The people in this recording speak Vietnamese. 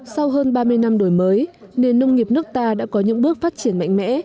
sau hơn ba mươi năm đổi mới nền nông nghiệp nước ta đã có những bước phát triển mạnh mẽ